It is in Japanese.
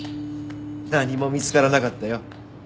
何も見つからなかったよ